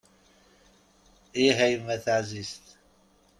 Ih a yemma taɛzizt.